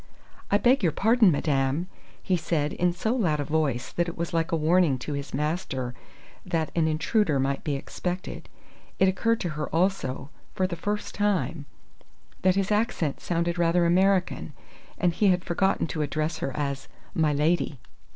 "I beg your pardon, madame!" he said in so loud a voice that it was like a warning to his master that an intruder might be expected. It occurred to her also, for the first time, that his accent sounded rather American, and he had forgotten to address her as "my lady."